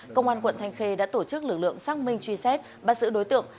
công an tp tp tp đã tổ chức lực lượng xác minh truy xét bắt giữ đối tượng